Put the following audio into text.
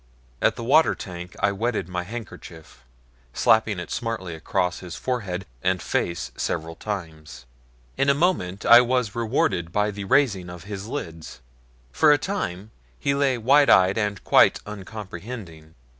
At the water tank I wetted my handkerchief, slapping it smartly across his forehead and face several times. In a moment I was rewarded by the raising of his lids. For a time he lay wide eyed and quite uncomprehending.